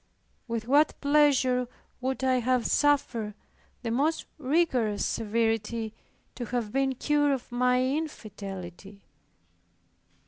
With what pleasure would I have suffered the most rigorous severity to have been cured of my infidelity.